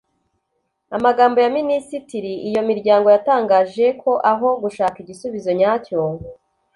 A magambo ya Minisitiri iyo miryango yatangaje ko aho gushaka igisubizo nyacyo